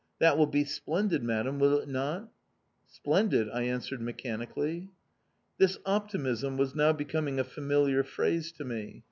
That will be splendid, Madam, will it not?" "Splendid," I answered mechanically. This optimism was now becoming a familiar phrase to me.